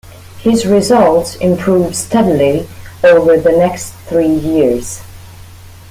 His results improved steadily over the next three years.